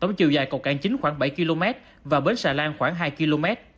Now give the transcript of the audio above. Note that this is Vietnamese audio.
tổng chiều dài cầu cảng chính khoảng bảy km và bến xà lan khoảng hai km